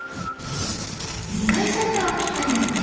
２回シャッターを切ったんですね。